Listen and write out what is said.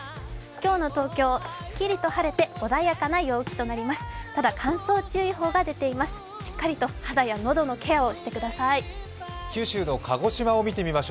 今日の東京、すっきりと晴れて、穏やかな陽気となります。